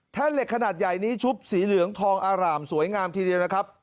เหล็กขนาดใหญ่นี้ชุบสีเหลืองทองอร่ามสวยงามทีเดียวนะครับ